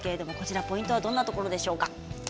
ポイントはどんなところでしょうか？